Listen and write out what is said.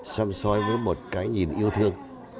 xăm xoay với một cái nhìn yêu thương